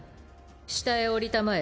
下へ降りたまえ。